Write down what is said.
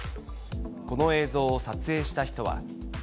この映像を撮影した人は。